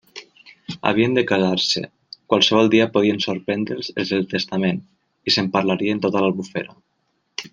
Havien de casar-se: qualsevol dia podien sorprendre'ls els del testament, i se'n parlaria en tota l'Albufera.